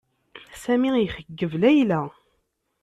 Sami ixeyyeb Layla.